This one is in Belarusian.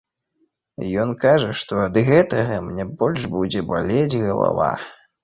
Ён кажа, што ад гэтага мне больш будзе балець галава.